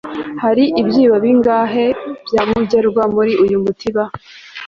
hari ibyibo bingahe bya mugerwa muri uyu mutiba